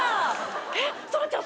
えっそらちゃん